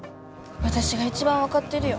私が一番分かってるよ